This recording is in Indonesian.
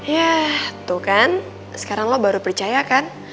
ya tuh kan sekarang lo baru percaya kan